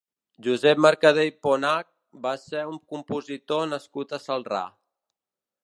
Josep Mercader i Ponach va ser un compositor nascut a Celrà.